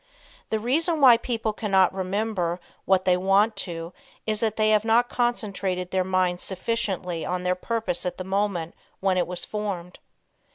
The reason why people cannot remember what they want to is that they have not concentrated their minds sufficiently on their purpose at the moment when it was formed.